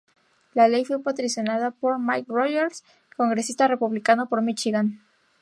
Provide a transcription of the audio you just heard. La ley fue patrocinada por Mike Rogers, congresista republicano por Míchigan.